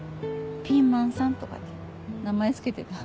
ピーマンさんとかって名前付けてた。